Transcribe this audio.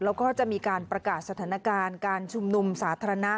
แล้วก็จะมีการประกาศสถานการณ์การชุมนุมสาธารณะ